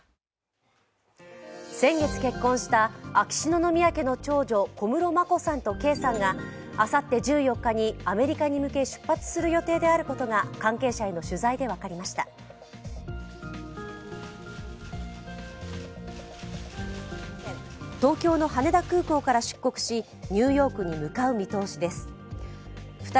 先月結婚した秋篠宮家の長女・小室眞子さんと圭さんがあさって１４日にアメリカに向け出発する予定であることが関係者への取材で分かりました。